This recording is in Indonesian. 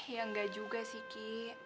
ya enggak juga sih ki